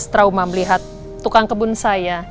trauma melihat tukang kebun saya